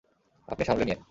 আপনি সামলে নিয়েন।